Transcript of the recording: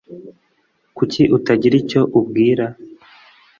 Kuki utagira icyo ubwira ?